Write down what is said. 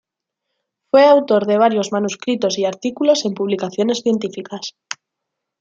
Fue autor de varios manuscritos y artículos en publicaciones científicas.